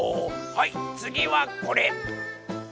はいつぎはこれ！